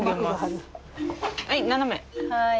はい。